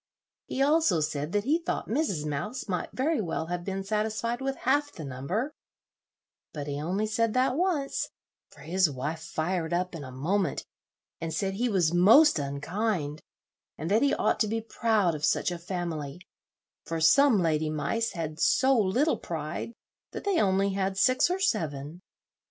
He also said that he thought Mrs. Mouse might very well have been satisfied with half the number; but he only said that once, for his wife fired up in a moment, and said he was most unkind, and that he ought to be proud of such a family, for some lady mice had so little pride that they only had six or seven.